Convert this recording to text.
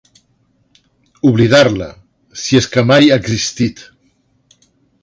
Oblidar-la, si és que mai ha existit.